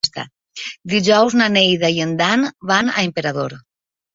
Dijous na Neida i en Dan van a Emperador.